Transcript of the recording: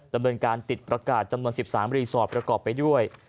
ดำเนินการติดประกาศจำนวน๑๓รีสอร์ทประกอบไปด้วย